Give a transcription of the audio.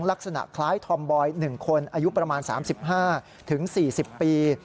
ลักษณะคล้ายธอมบอย๑คนอายุประมาณ๓๕๔๐ปี